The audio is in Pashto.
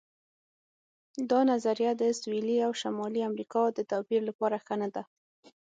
دا نظریه د سویلي او شمالي امریکا د توپیر لپاره ښه نه ده.